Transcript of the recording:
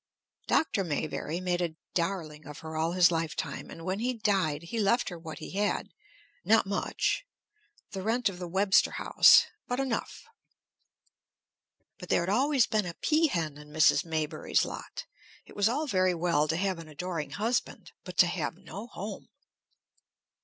Dr. Maybury made a darling of her all his lifetime, and when he died he left her what he had; not much, the rent of the Webster House, but enough. But there had always been a pea hen in Mrs. Maybury's lot. It was all very well to have an adoring husband, but to have no home!